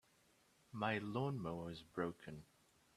My lawn-mower is broken.